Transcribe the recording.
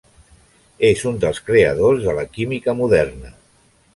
És un dels creadors de la química moderna.